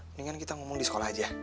mendingan kita ngomong di sekolah aja